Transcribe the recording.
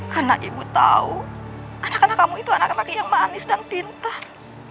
karena ibu tahu anak anak kamu itu anak anak yang manis dan pintar